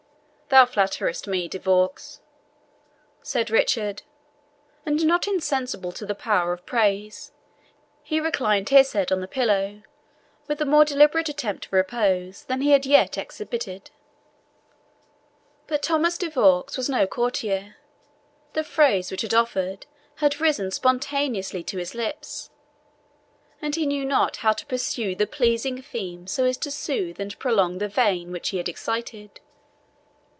"Thou flatterest me, De Vaux," said Richard, and not insensible to the power of praise, he reclined his head on the pillow with a more deliberate attempt to repose than he had yet exhibited. But Thomas de Vaux was no courtier; the phrase which had offered had risen spontaneously to his lips, and he knew not how to pursue the pleasing theme so as to soothe and prolong the vein which he had excited.